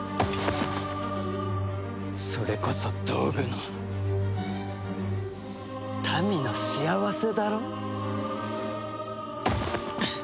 それこそ道具の民の幸せだろう？